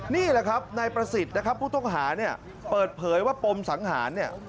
นี่แหละครับนายประสิทธิ์นะครับผู้ต้องหาเนี่ยเปิดเผยว่าปมสังหารเนี่ย